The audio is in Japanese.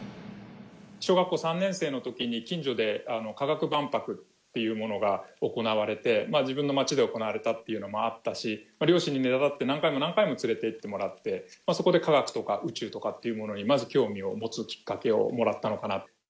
小学校３年生のときに、近所で科学万博っていうものが行われて、自分の町で行われたっていうのもあったし、両親にねだって、何回も何回も連れていってもらって、そこで科学とか宇宙とかっていうものに、まず興味を持つきっかけ